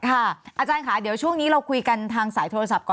อาจารย์ค่ะเดี๋ยวช่วงนี้เราคุยกันทางสายโทรศัพท์ก่อน